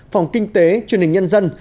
phòng kinh tế truyền hình nhân dân